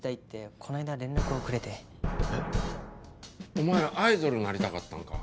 お前らアイドルになりたかったんか？